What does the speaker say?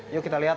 yuk kita lihat